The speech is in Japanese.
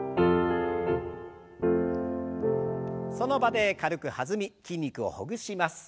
その場で軽く弾み筋肉をほぐします。